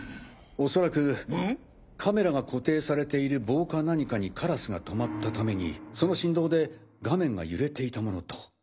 恐らくカメラが固定されている棒か何かにカラスが止まったためにその振動で画面が揺れていたものと。